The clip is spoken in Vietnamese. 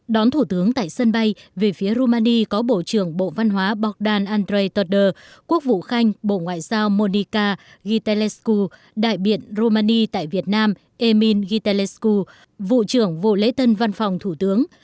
đón thủ tướng tại sân bay về phía romani có bộ trưởng bộ văn hóa bogdan andrei todor quốc vụ khanh bộ ngoại giao monica gitalescu đại biện romani tại việt nam emin gitalescu vụ trưởng vô lê tân văn phòng thủ tướng